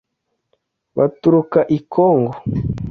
baturuka i kongo;